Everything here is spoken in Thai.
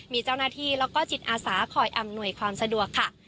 มีเจ้าหน้าที่แล้วก็จิตอาสาคอยอำนวยความสะดวกค่ะ